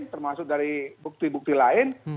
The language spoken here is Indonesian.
termasuk dari bukti bukti lain